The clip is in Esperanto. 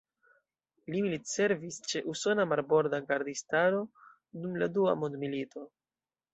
Li militservis ĉe Usona Marborda Gardistaro dum Dua Mondmilito.